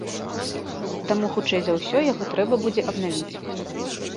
Таму хутчэй за ўсё яго трэба будзе абнавіць.